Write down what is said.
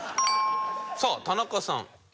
さあ田中さん。